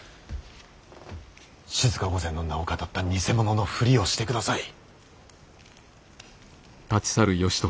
静御前の名をかたった偽者のふりをしてください。